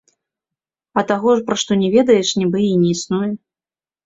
А таго, пра што не ведаеш, нібы і не існуе.